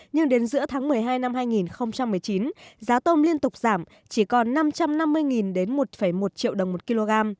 nhưng đến giữa tháng một mươi hai năm hai nghìn một mươi chín giá tôm liên tục giảm chỉ còn năm trăm năm mươi đến một một triệu đồng một kg